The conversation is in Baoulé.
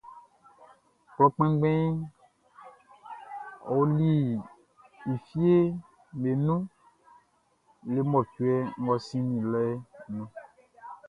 Klɔ kpɛnngbɛnʼn ɔli e fieʼm be nun le mɔcuɛ ngʼɔ sinnin lɛʼn nun.